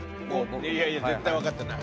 いやいや絶対分かってない。